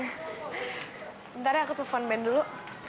bentar ya aku telfon ben dulu